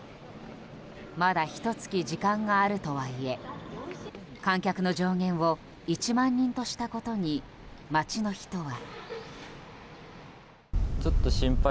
まだひと月、時間があるとはいえ観客の上限を１万人としたことに街の人は。